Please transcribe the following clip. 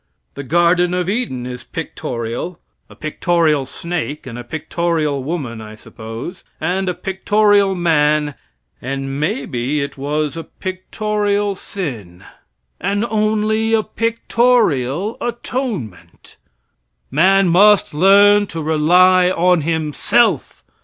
The Garden of Eden is pictorial; a pictorial snake and a pictorial woman, I suppose, and a pictorial man, and may be it was a pictorial sin. And only a pictorial atonement! Man must learn to rely on himself.